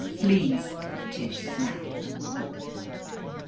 "Fleas!" Tish snapped.